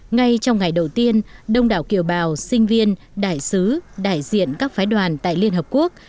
ngay trong ngày đầu tiên đông đảo kiều bào sinh viên đại sứ đại diện các phái đoàn tại liên hợp quốc